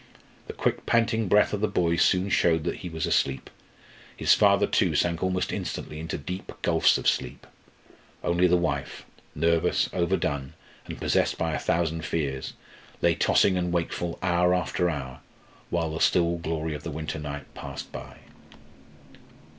The quick, panting breath of the boy soon showed that he was asleep. His father, too, sank almost instantly into deep gulfs of sleep. Only the wife nervous, overdone, and possessed by a thousand fears lay tossing and wakeful hour after hour, while the still glory of the winter night passed by.